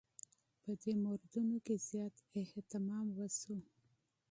په دې موردونو کې زیات اهتمام وشو.